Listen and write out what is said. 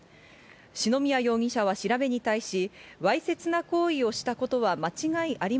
篠宮容疑者は調べに対し、わいせつな行為をしたことは間違いあり